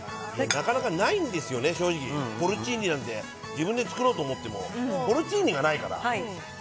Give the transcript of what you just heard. なかなかないんですよ、正直、ポルチーニなんで、自分で作ろうと思ってもポルチーニがないから。